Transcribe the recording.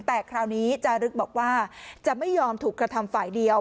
แต่คราวนี้จารึกบอกว่าจะไม่ยอมถูกกระทำฝ่ายเดียว